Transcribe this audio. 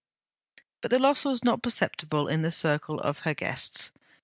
But the loss was not perceptible in the circle of her guests.